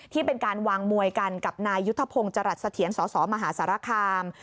ที่เป็นการวางมวยกันกับนายยุทธพงศ์จรัสเสถียรสสมหาสารคาม